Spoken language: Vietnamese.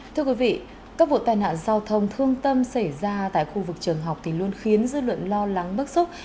thưa quý vị các vụ tai nạn giao thông thương tâm xảy ra tại khu vực trường học thì luôn khiến dư luận lo lắng bức xúc